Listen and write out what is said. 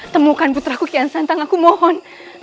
temukan putraku kian santan aku mohon